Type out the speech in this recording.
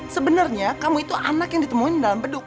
sebenernya kamu itu anak yang ditemuin di dalam bedung